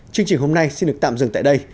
chương trình hôm nay xin được tạm dừng tại đây